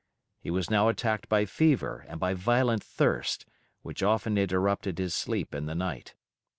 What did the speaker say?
He was now attacked by fever and by violent thirst, which often interrupted his sleep in the night.